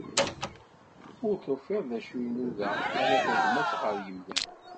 Ur tufiḍ d acu i inuda ḥala tagmat gar yimdanen.